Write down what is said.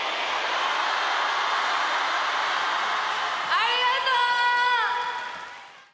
ありがとう！